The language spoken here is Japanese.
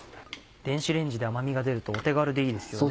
電子レンジで甘みが出るとお手軽でいいですよね。